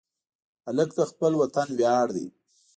هلک د خپل وطن ویاړ دی.